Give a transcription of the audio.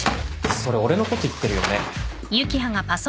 それ俺のこと言ってるよね。